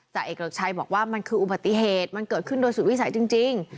เอกเกริกชัยบอกว่ามันคืออุบัติเหตุมันเกิดขึ้นโดยสุดวิสัยจริง